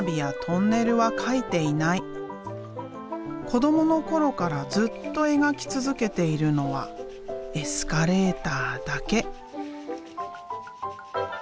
子どもの頃からずっと描き続けているのはエスカレーターだけ。